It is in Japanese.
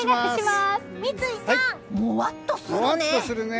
三井さん、もわっとするね。